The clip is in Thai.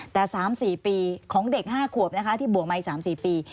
แต่๓๔ปีของเด็ก๕ขวบนะคะที่บวกมาอีก๓๔ปี